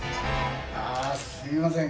すいません